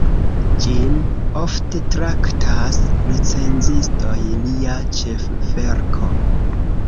Ĝin ofte traktas recenzistoj lia ĉefverko.